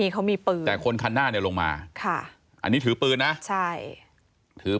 แต่คนคันหน้านั้นลงมาถือปืนชี้มาหรอก